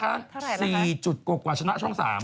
เท่าไหร่แล้วคะ๔จุดโกรธกว่าชนะช่อง๓